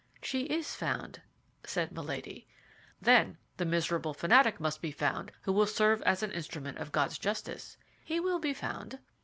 "She is found," said Milady. "Then the miserable fanatic must be found who will serve as an instrument of God's justice." "He will be found."